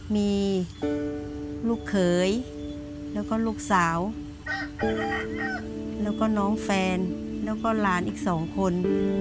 มีลูกเขยแล้วก็ลูกสาวแล้วก็น้องแฟนแล้วก็หลานอีก๒คน